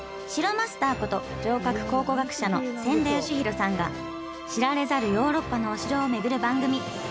マスターこと城郭考古学者の千田嘉博さんが知られざるヨーロッパのお城を巡る番組。